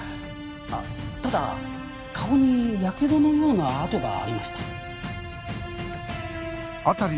あっただ顔にやけどのような痕がありました。